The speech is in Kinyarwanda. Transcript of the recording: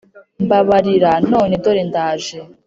mbabarira none dore ndaje